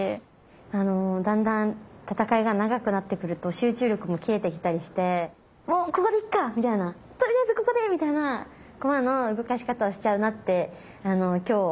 だんだん戦いが長くなってくると集中力も切れてきたりして「もうここでいっか！」みたいな「とりあえずここで！」みたいな駒の動かし方をしちゃうなって今日実感したので。